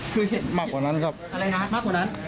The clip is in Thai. คือเห็นมากกว่านั้นครับอะไรฮะมากกว่านั้น